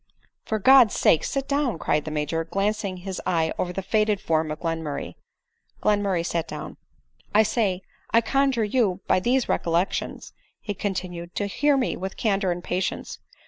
" For God's sake sit down," cried the Major, glancing his eye over the faded form of Glenmurray. Glenmur ray sat down. " I say, i conjure you by these recollections," he con tinued, " to hear me with candor and patience.